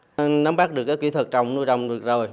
nói chung nó bắt được cái kỹ thuật trồng nuôi rong được rồi